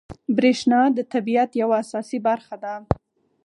بریښنا د طبیعت یوه اساسي برخه ده